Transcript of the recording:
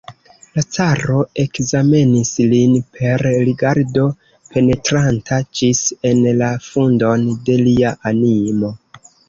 La caro ekzamenis lin per rigardo, penetranta ĝis en la fundon de lia animo.